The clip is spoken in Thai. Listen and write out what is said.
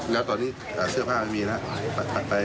แล้วตอนนี้เสื้อผ้าไม่มีนะ